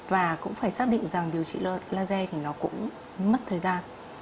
và cũng phải xác định rằng điều trị laser thì nó cũng mất thời gian